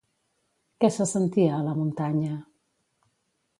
Què se sentia a la muntanya?